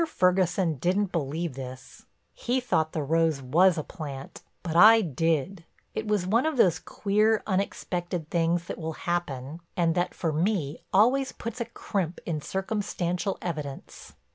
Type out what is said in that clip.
Ferguson didn't believe this—he thought the rose was a plant—but I did. It was one of those queer, unexpected things that will happen and that, for me, always puts a crimp in circumstantial evidence.